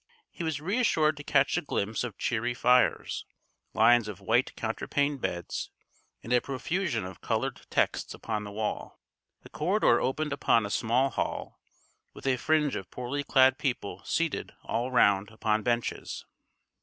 He was reassured to catch a glimpse of cheery fires, lines of white counterpaned beds, and a profusion of coloured texts upon the wall. The corridor opened upon a small hall, with a fringe of poorly clad people seated all round upon benches.